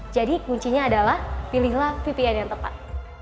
jadi kuncinya adalah pilihlah vpn yang tepat